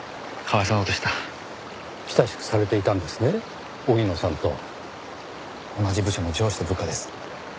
親しくされていたんですね荻野さんと。同じ部署の上司と部下です。